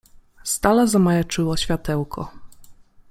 Z dala zamajaczyło światełko.